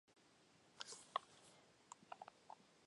El sencillo no incluido en álbum "Get the Balance Right!